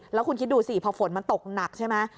แล้วคุณคิดดูสิพอฝนมันตกหนักใช่ไหม